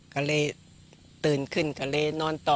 ก็เลยตื่นขึ้นก็เลยนอนต่อ